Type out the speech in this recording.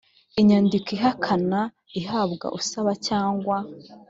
inyandiko ihakana ihabwa usaba cyangwa